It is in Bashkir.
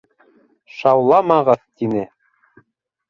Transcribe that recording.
Шауламағыҙ, тине.